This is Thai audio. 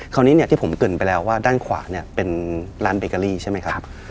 คราวนี้เนี่ยที่ผมเกินไปแล้วว่าด้านขวาเนี่ยเป็นร้านเบเกอรี่ใช่ไหมครับ